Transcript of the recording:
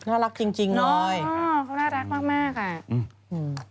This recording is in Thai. น่ารักจริงน้อยอ้อเขาน่ารักมากค่ะ